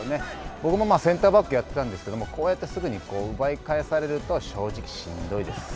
僕もセンターバックをやってたんですけれどもこうやってすぐに奪い返されると正直しんどいです。